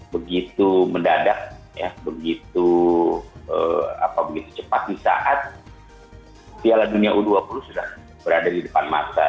begitu mendadak begitu cepat di saat piala dunia u dua puluh sudah berada di depan mata